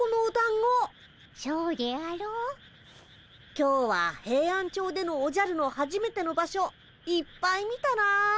今日はヘイアンチョウでのおじゃるのはじめての場所いっぱい見たなあ。